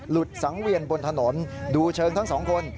สังเวียนบนถนนดูเชิงทั้งสองคน